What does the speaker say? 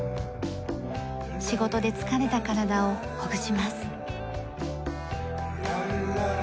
仕事で疲れた体をほぐします。